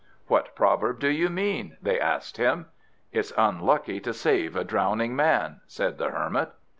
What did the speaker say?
"What proverb do you mean?" they asked him. "It's unlucky to save a drowning man," said the Hermit.